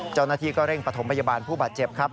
เจ้าหน้าที่ก็เร่งปฐมพยาบาลผู้บาดเจ็บครับ